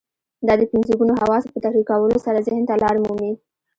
دا د پنځه ګونو حواسو په تحريکولو سره ذهن ته لار مومي.